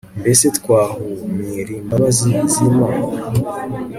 Mbese twahmyurimbabazi zlmana